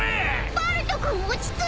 ［バルト君落ち着いて！］